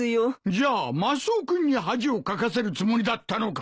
じゃあマスオ君に恥をかかせるつもりだったのか。